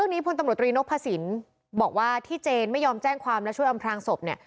พลตำรวจตรีนพสินบอกว่าที่เจนไม่ยอมแจ้งความและช่วยอำพลางศพเนี่ย